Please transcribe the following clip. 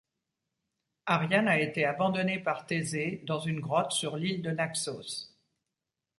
Ariane a été abandonnée par Thésée, dans une grotte sur l'île de Naxos.